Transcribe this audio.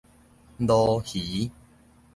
鱸魚